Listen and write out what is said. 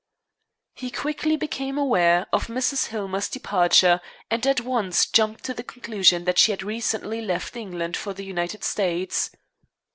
He quickly became aware of Mrs. Hillmer's departure, and at once jumped to the conclusion that she had recently left England for the United States.